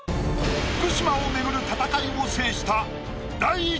福島を巡る戦いを制した。